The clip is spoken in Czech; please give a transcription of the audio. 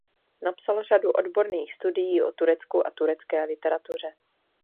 Napsal řadu odborných studií o Turecku a turecké literatuře.